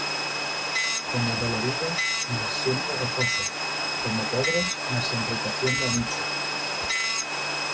Como doloridos, mas siempre gozosos; como pobres, mas enriqueciendo á muchos;